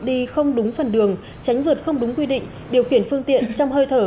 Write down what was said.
đi không đúng phần đường tránh vượt không đúng quy định điều khiển phương tiện trong hơi thở